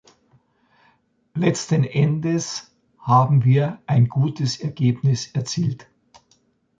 Letzten Endes haben wir ein gutes Ergebnis erzielt.